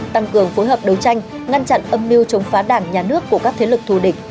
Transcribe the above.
tăng cường phối hợp đấu tranh ngăn chặn âm mưu chống phá đảng nhà nước của các thế lực thù địch